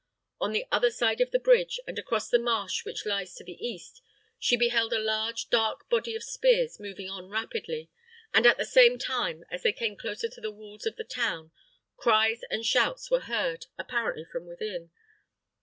On the other side of the bridge, and across the marsh which lies to the east, she beheld a large, dark body of spears moving on rapidly, and at the same time, as they came closer to the walls of the town, cries and shouts were heard, apparently from within.